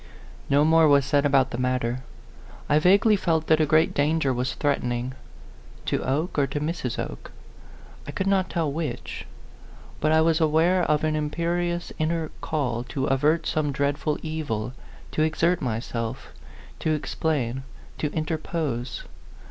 No more was said about the matter. I vaguely felt that a great danger was threat ening. To Oke or to Mrs, Oke? I could not tell which ; but I was aware of an im perious inner call to avert some dreadful evil, to exert myself, to explain, to interpose.